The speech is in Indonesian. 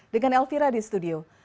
dengan elvira di studio